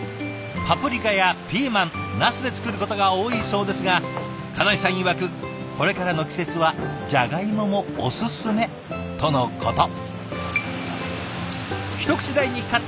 パプリカやピーマンなすで作ることが多いそうですが金井さんいわくこれからの季節はジャガイモもおすすめとのこと。